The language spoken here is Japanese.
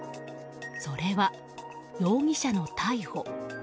それは、容疑者の逮捕。